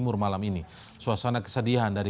mur malam ini suasana kesedihan dari